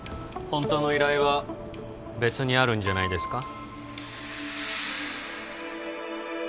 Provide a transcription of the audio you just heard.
本当の依頼は別にあるんじゃないですか？